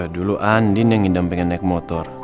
dulu andi yang ngidam pengen naik motor